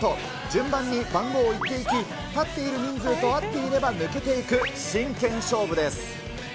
順番に番号を言っていき、立っている人数と合っていれば抜けていく真剣勝負です。